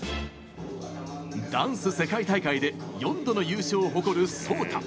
ダンス世界大会で４度の優勝を誇るＳＯＴＡ。